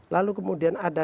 lalu kemudian ada